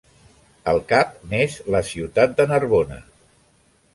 El cap n'és la ciutat de Narbona.